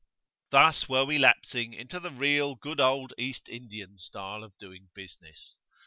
Thus were we lapsing into the real good old East Indian style of doing business.